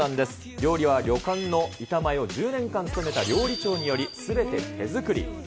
料理は旅館の板前を１０年間務めた料理長により、すべて手作り。